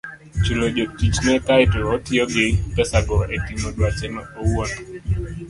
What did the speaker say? chulo jotichne kae to otiyo gi pesago e timo dwache owuon.